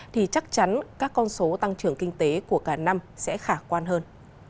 thì chắc chắn các con số tăng trưởng kinh tế của cả năm sẽ khả quan hơn